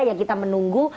ya kita menunggu